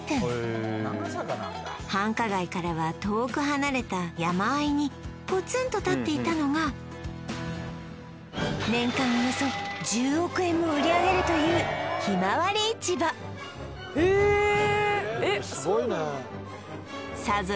繁華街からは遠く離れた山あいにポツンと立っていたのが年間およそ１０億円も売り上げるというひまわり市場へええっそうなんだ